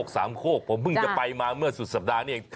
สามโคกผมเพิ่งจะไปมาเมื่อสุดสัปดาห์นี้เอง